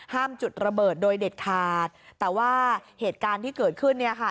จุดระเบิดโดยเด็ดขาดแต่ว่าเหตุการณ์ที่เกิดขึ้นเนี่ยค่ะ